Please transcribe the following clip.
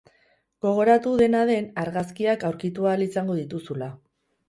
Gogoratu, dena den, argazkiak aurkitu ahal izango dituzula.